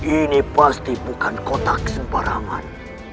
ini pasti bukan kotak sembarangan